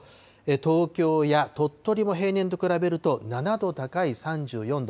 東京や鳥取も平年と比べると７度高い３４度。